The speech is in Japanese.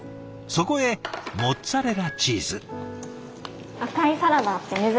そこへモッツアレラチーズ。